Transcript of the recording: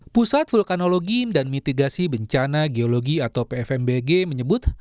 pusat vulkanologi dan mitigasi bencana geologi atau pfmbg menyebut